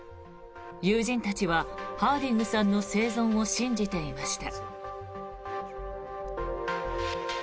友人たちはハーディングさんの生存を信じていました。